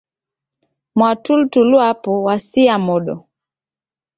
Mwatulituli wapo wasia modo.